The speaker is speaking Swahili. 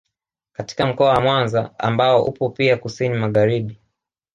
Katika mkoa wa Mwanza ambao upo pia kusini magharibi